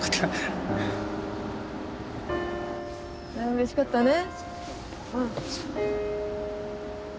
うれしかったね。